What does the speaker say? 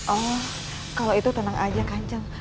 oh kalau itu tenang aja kan ceng